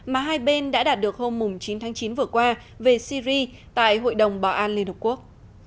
mà hai bên đã đạt được hôm chín tháng chín vừa qua về syri tại hội đồng bảo an liên hợp quốc